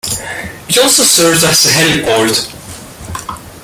It also serves as a heliport.